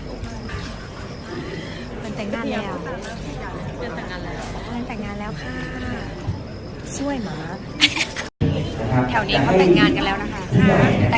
คืนซ่วยเหรอ